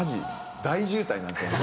大渋滞なんすよね。